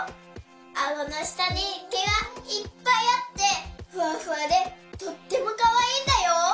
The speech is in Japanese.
あごのしたにけがいっぱいあってふわふわでとってもかわいいんだよ。